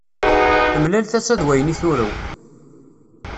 Temlal tasa d wayen i turew.